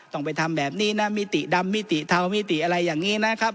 ต้องไปทำแบบนี้นะมิติดำมิติเทามิติอะไรอย่างนี้นะครับ